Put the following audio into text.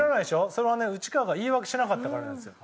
それはね内川が言い訳しなかったからなんですよ。